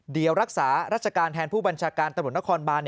เดี๋ยวรักษารัชการแทนผู้บัญชาการตำรวจนครบาน